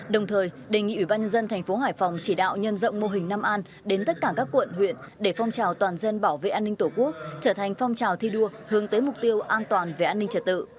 đồng thời đề nghị ủy ban nhân dân thành phố hải phòng chỉ đạo nhân rộng mô hình nam an đến tất cả các quận huyện để phong trào toàn dân bảo vệ an ninh tổ quốc trở thành phong trào thi đua hướng tới mục tiêu an toàn về an ninh trật tự